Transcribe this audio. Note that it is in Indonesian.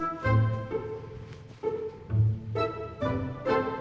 apa yang terjadi